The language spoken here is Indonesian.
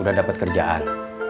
udah dapet kerjaan